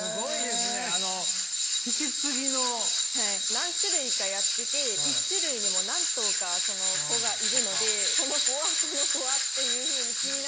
何種類かやってて１種類にも何頭か子がいるので「この子はこの子は」っていうふうに気になったことを全部。